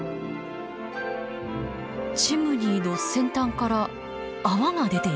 チムニーの先端から泡が出ています。